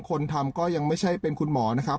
คนทำก็ยังไม่ใช่เป็นคุณหมอนะครับ